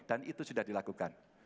dan itu sudah dilakukan